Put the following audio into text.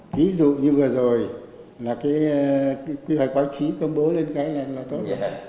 ví dụ như vừa rồi là cái quy hoạch báo chí công bố lên cái là tốt